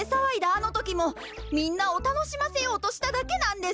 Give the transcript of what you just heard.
あのときもみんなをたのしませようとしただけなんです。